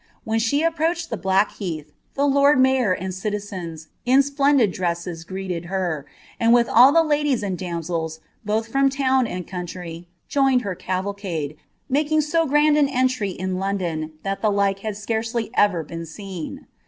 When she roached the Blackheath, the lord mayor and citizens, in splendid tses, greeted her, and with all the ladies and dtuiiscis, both from Iowa country, joined her cavalcade, making bo grand an entry in London, I lliQ like had scarcely ever been seen.